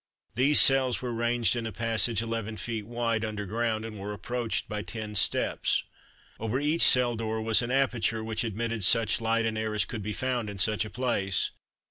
These cells were ranged in a passage 11 feet wide, under ground, and were approached by ten steps. Over each cell door was an aperture which admitted such light and air as could be found in such a place.